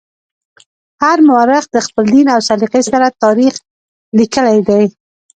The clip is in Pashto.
هر مورخ د خپل دین او سلیقې سره تاریخ لیکلی دی.